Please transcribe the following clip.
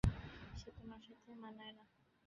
সে তোমার সাথে মানায় না।